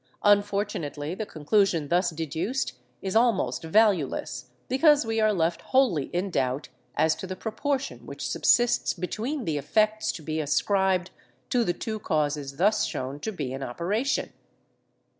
Unfortunately, the conclusion thus deduced is almost valueless, because we are left wholly in doubt as to the proportion which subsists between the effects to be ascribed to the two causes thus shown to be in operation.